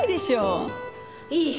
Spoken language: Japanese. いい！